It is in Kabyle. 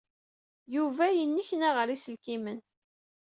Yuba yennekna ɣer yiselkimen.